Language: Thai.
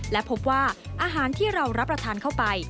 และพบว่าอาหารที่เรารับประทานเข้าไป